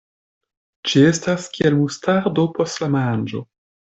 Ĝi estas kiel mustardo post la manĝo.